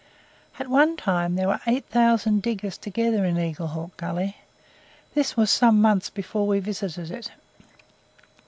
At one time there were eight thousand diggers together in Eagle Hawk Gully. This was some months before we visited it.